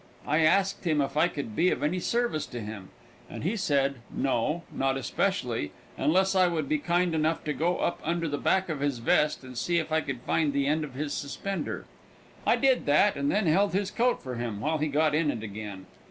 I asked him if I could be of any service to him, and he said No, not especially, unless I would be kind enough to go up under the back of his vest and see if I could find the end of his suspender. I did that and then held his coat for him while he got in it again.